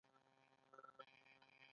وروسته چې د دوی اضافي پانګه زیاته شي